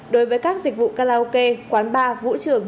đối với các dịch vụ karaoke quán bar vũ trường